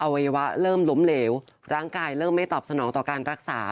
วัยวะเริ่มล้มเหลวร่างกายเริ่มไม่ตอบสนองต่อการรักษา